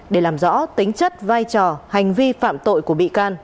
để làm rõ tính chất vai trò hành vi phạm tội của bị can